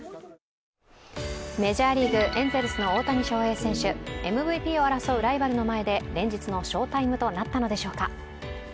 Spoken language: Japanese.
メジャーリーグ、エンゼルスの大谷翔平選手ＭＶＰを争うライバルの前で連日の翔タイムとなったのでしょうか。